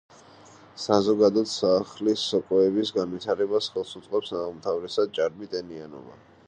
საზოგადოდ სახლის სოკოების განვითარებას ხელს უწყობს უმთავრესად ჭარბი ტენიანობა.